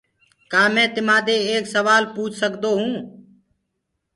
ڪآ مينٚ تمآ دي ايڪ سوآل پوڇ سڪدو هونٚ؟